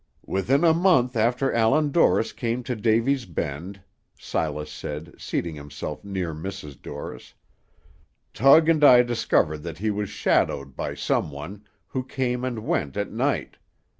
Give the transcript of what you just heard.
"Within a month after Allan Dorris came to Davy's Bend," Silas said, seating himself near Mrs. Dorris, "Tug and I discovered that he was shadowed by some one, who came and went at night.